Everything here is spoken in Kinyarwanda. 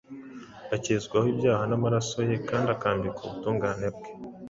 akezwaho ibyaha n’amaraso ye, kandi akambikwa ubutungane bwe,